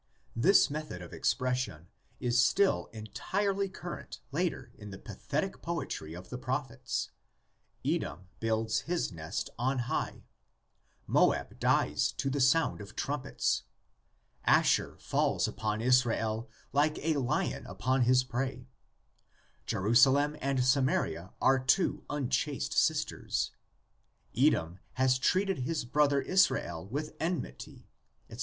This method of expression is still entirely current later in the pathetic poetry of the prophets: Edom builds his nest on high, Moab dies to the sound of trumpets, Asshur falls upon Israel like a lion upon his prey, Jerusalem and Samaria are two unchaste sisters, Edom has treated his brother Israel with enmity, etc.